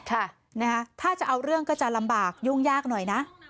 ค่ะนะฮะถ้าจะเอาเรื่องก็จะลำบากยุ่งยากหน่อยนะ